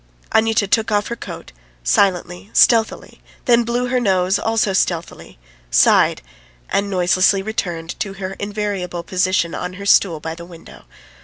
Anyuta took off her coat, silently, stealthily, then blew her nose also stealthily, sighed, and noiselessly returned to her invariable position on her stool by the window.